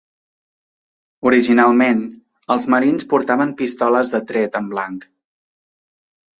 Originalment, els marins portaven pistoles de tret en blanc.